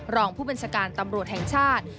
รองพบริษฐการตำรวจแห่งชาติ